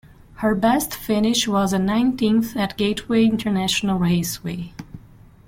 Her best finish was a nineteenth at Gateway International Raceway.